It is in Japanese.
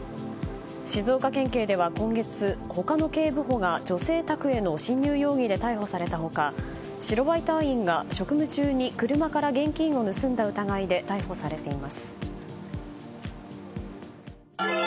静岡県警では今月、他の警部補が女性宅への侵入容疑で逮捕された他白バイ隊員が職務中に車から現金を盗んだ疑いで逮捕されています。